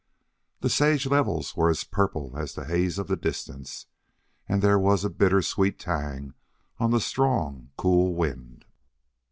The sage levels were as purple as the haze of the distance, and there was a bitter sweet tang on the strong, cool wind.